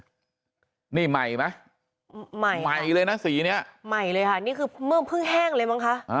นี่ใหม่ไหมใหม่ใหม่เลยนะสีเนี้ยใหม่เลยค่ะนี่คือเมืองพึ่งแห้งเลยมั้งคะ